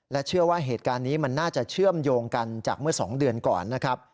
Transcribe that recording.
เชื่อว่าเหตุการณ์นี้มันน่าจะเชื่อมโยงกันจากเมื่อ๒เดือนก่อนนะครับ